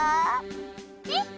えっ？